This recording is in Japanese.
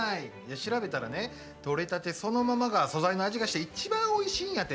調べたらね、取れたてそのままが素材の味がして、いちばんおいしいんやて。